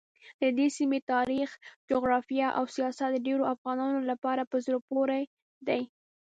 ددې سیمې تاریخ، جغرافیه او سیاست ډېرو افغانانو لپاره په زړه پورې دي.